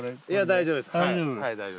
いや大丈夫です。